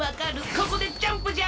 ここでジャンプじゃ！